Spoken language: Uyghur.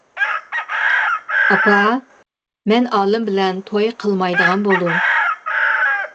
-ئاپا، مەن ئالىم بىلەن توي قىلمايدىغان بولدۇم.